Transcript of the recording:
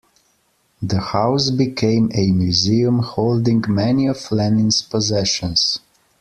The house became a museum holding many of Lenin's possessions.